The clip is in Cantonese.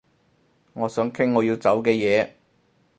你想傾我要走嘅嘢